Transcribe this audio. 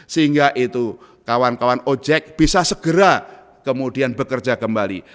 sehingga itu kawan kawan ojek bisa segera kemudian bekerja kembali